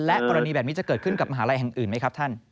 กรณีแบบนี้จะเกิดขึ้นกับมหาลัยแห่งอื่นไหมครับท่าน